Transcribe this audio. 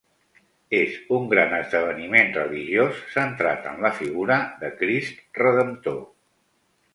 És un gran esdeveniment religiós centrat en la figura de Crist Redemptor.